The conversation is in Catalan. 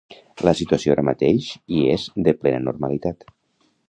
La situació ara mateix hi és de plena normalitat.